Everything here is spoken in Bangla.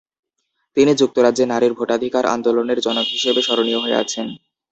তিনি যুক্তরাজ্যে নারীর ভোটাধিকার আন্দোলনের জনক হিসেবে স্মরণীয় হয়ে আছেন।